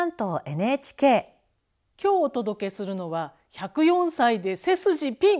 今日お届けするのは１０４歳で背筋ピン！